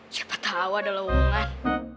siapa tau ada lawangan